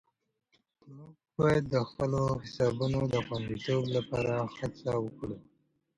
موږ باید د خپلو حسابونو د خوندیتوب لپاره هڅه وکړو.